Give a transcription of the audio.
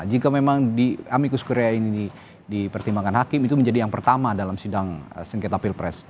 jika memang di amicus korea ini dipertimbangkan hakim itu menjadi yang pertama dalam sidang sengketa pilpres